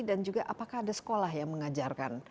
dan juga apakah ada sekolah yang mengajarkan